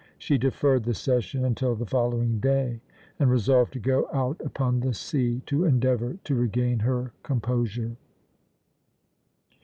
She deferred the session until the following day, and resolved to go out upon the sea, to endeavour to regain her composure.